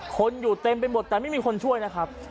คนอยู่เต็มไปหมดแต่ไม่มีคนช่วยนะครับ